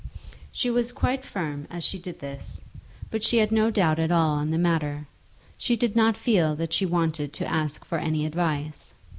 She was quite firm as she did this. She had no doubt at all on the matter. She did not feel that she wanted to ask for any advice.